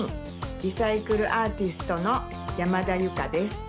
リサイクルアーティストの山田ゆかです。